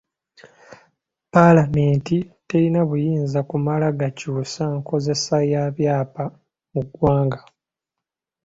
Palamenti terina buyinza kumala gakyusa nkozesa ya byapa mu ggwanga.